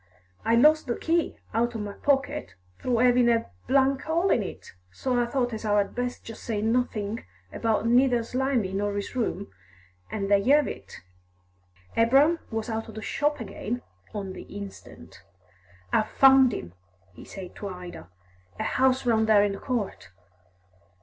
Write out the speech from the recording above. I loss the key out o' my pocket, through 'avin' a hole in it, so I thought as 'ow I'd best just say nothink about neither Slimy nor his room, an' there y'ave it!" Abraham was out of the shop again on the instant. "I've found him," he said to Ida. "A house round there in the court."